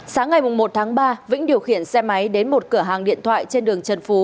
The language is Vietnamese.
sáng ngày một tháng ba vĩnh điều khiển xe máy đến một cửa hàng điện thoại trên đường trần phú